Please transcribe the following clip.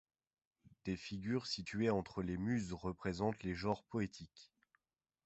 Des figures situées entre les muses représentent les genres poétiques.